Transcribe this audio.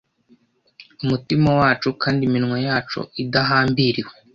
Umutima wacu, kandi iminwa yacu idahambiriwe;